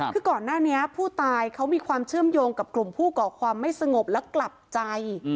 คือก่อนหน้านี้ผู้ตายเขามีความเชื่อมโยงกับกลุ่มผู้ก่อความไม่สงบและกลับใจ